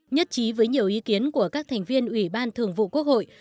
nhất trí với nhiều ý kiến của các thành viên ủy ban thường vụ quốc hội